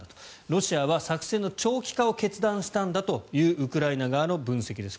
ロシアは作戦の長期化を決断したんだというウクライナ側の分析です。